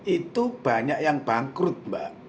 itu banyak yang bangkrut mbak